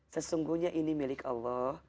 sesungguhnya ini milik allah